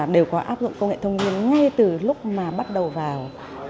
đều có áp dụng công nghệ thông tin ngay từ lúc mà bắt đầu vào